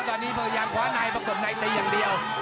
ตอนนี้พยายามคว้าในประกบในตีอย่างเดียว